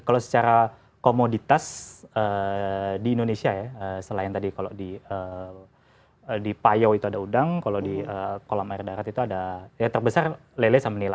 kalau secara komoditas di indonesia ya selain tadi kalau di payau itu ada udang kalau di kolam air darat itu ada yang terbesar lele sama nila